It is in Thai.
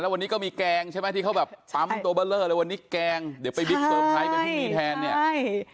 วันนี้ก็มีแกล้งใช่ไหมที่เขาแบบปั๊มตัวเบลอเลยวันนี้แกล้งเดี๋ยวไปบิ๊กเติมไพรส์กันที่นี่แทนเนี่ย